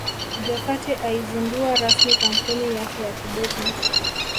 Jokate aizundua rasmi kampuni yake ya Kidoti